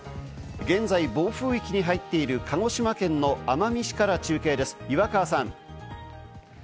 現在、暴風域に入っている鹿児島県の奄美市から中継です、岩川さん。